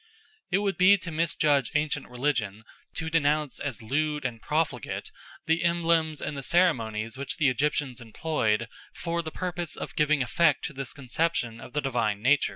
It would be to misjudge ancient religion to denounce as lewd and profligate the emblems and the ceremonies which the Egyptians employed for the purpose of giving effect to this conception of the divine power.